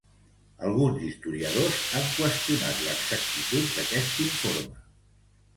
Alguns historiadors han qüestionat l'exactitud d'este informe.